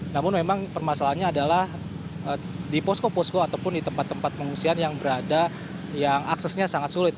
namun memang permasalahannya adalah di posko posko ataupun di tempat tempat pengungsian yang berada yang aksesnya sangat sulit